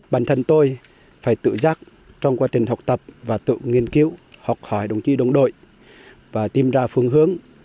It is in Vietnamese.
bản thân tôi phải tự giác trong quá trình học tập và tự nghiên cứu học hỏi đồng chí đồng đội và tìm ra phương hướng